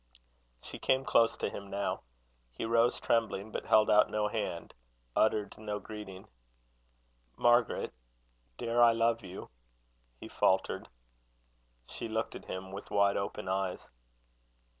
She came close to him now. He rose, trembling, but held out no hand, uttered no greeting. "Margaret, dare I love you?" he faltered. She looked at him with wide open eyes.